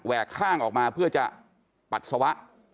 ข้างออกมาเพื่อจะปัสสาวะ